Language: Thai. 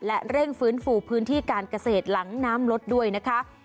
และเร่งฟื้นฟูพื้นที่การเกษตรหลังน้ำลดด้วยนะคะ